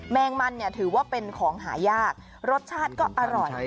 แมงมันเนี่ยถือว่าเป็นของหายากรสชาติก็อร่อย